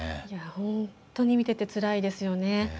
本当に見ててつらいですね。